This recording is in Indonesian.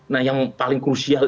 nah yang paling krusial